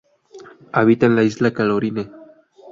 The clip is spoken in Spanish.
Habita en la Isla Caroline.